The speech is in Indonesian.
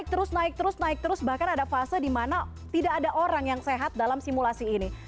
terus naik terus naik terus bahkan ada fase dimana tidak ada orang yang sehat dalam simulasi ini